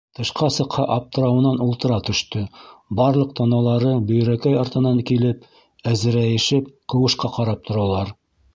Тышҡа сыҡһа, аптырауынан ултыра төштө: барлыҡ таналары Бөйрәкәй артынан килеп, әзерәйешеп ҡыуышҡа ҡарап торалар.